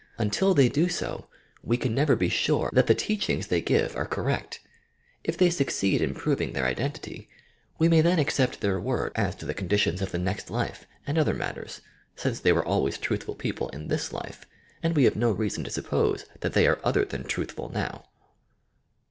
Until they do so, we can never be sure that the teachings they give are correct. If they succeed in proving their iden tity we may then accept their word as to the conditions of the nest life, and other matters, since they were al ways truthfnl people in this life, and we have no reason to suppose that they are other than truthful now.